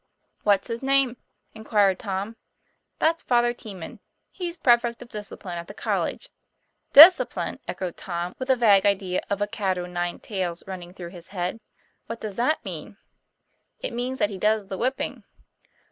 'What's his name?" inquired Tom. 'That's Father Teeman, he's prefect of discipline at the college." 'Discipline!" echoed Tom, with a vague idea of a cat o' nine tails running through his head; "what does that mean?" 'It means that he does the whipping."